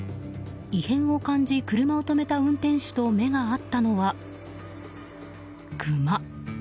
異変を感じ、車を止めた運転手と目が合ったのはクマ。